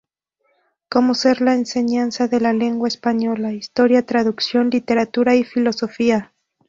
Como ser la enseñanza de la lengua española, historia, traducción, literatura y filosofía.